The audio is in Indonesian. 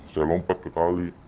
saya lompat ke kali